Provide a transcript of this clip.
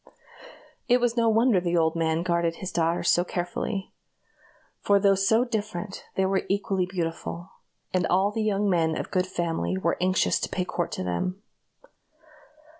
It was no wonder the old man guarded his daughters so carefully; for though so different, they were equally beautiful, and all the young men of good family were anxious to pay court to them.